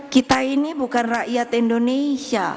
kita ini bukan rakyat indonesia